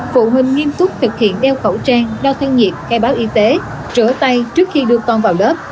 phụ huynh nghiêm túc thực hiện đeo khẩu trang đo thân nhiệm khai báo y tế rửa tay trước khi được toàn vào lớp